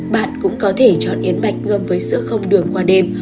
bạn cũng có thể chọn yến bạch ngâm với sữa không đường qua đêm